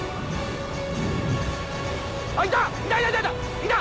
あっいた！